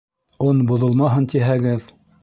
Он боҙолмаһын тиһәгеҙ...